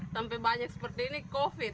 sampai banyak seperti ini covid